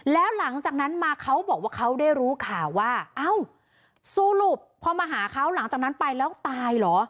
แล้วหลังจากนั้นมาเขาบอกว่าเขาได้รู้ข่าวว่าเอ้าสรุปพอมาหาเขาหลังจากนั้นไปแล้วตายเหรอ